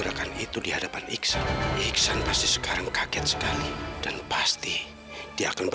kaki ibu pasti masih sakit kan bu